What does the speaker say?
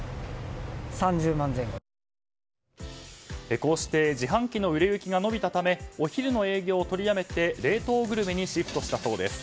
こうして自販機の売れ行きが伸びたためお昼の営業を取りやめて冷凍グルメにシフトしたそうです。